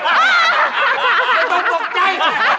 ไม่ต้องตกใจ